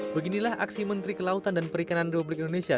beginilah aksi menteri kelautan dan perikanan republik indonesia